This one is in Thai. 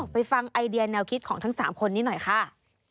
ไปฟังไอเดียแนวคิดของทั้ง๓คนนี้หน่อยค่ะ